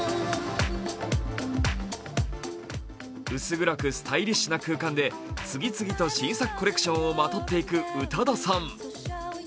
薄暗くスタイリッシュな空間で次々と新作コレクションをまとっていく宇多田さん。